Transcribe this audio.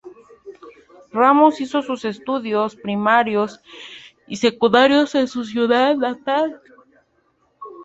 Ramos hizo sus estudios primarios y secundarios en su ciudad natal.